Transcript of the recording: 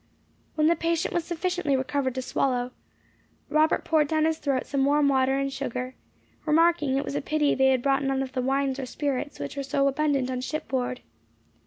When the patient was sufficiently recovered to swallow, Robert poured down his throat some warm water and sugar, remarking it was a pity they had brought none of the wines or spirits which were so abundant on shipboard.